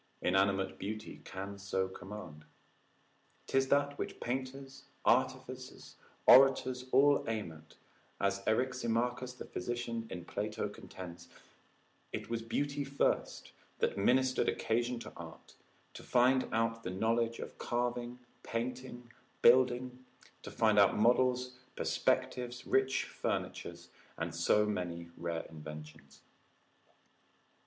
Inanimate beauty can so command. 'Tis that which painters, artificers, orators, all aim at, as Eriximachus the physician, in Plato contends, It was beauty first that ministered occasion to art, to find out the knowledge of carving, painting, building, to find out models, perspectives, rich furnitures, and so many rare inventions.